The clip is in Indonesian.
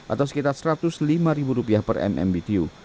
atau sekitar rp satu ratus lima ribu rupiah per mmbtu